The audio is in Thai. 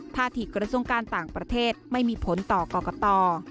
ที่กระทรวงการต่างประเทศไม่มีผลต่อกรกต